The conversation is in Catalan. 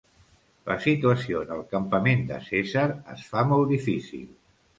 La situació en el campament de Cèsar es fa molt difícil.